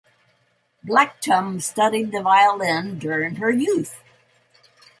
Blectum studied the violin during her youth.